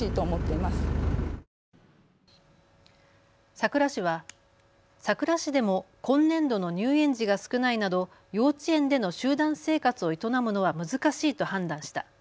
佐倉市は佐倉市でも今年度の入園児が少ないなど幼稚園での集団生活を営むのは難しいと判断した。